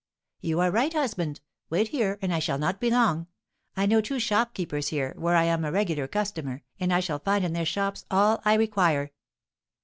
"You are right, husband. Wait here, and I shall not be long; I know two shopkeepers here, where I am a regular customer, and I shall find in their shops all I require."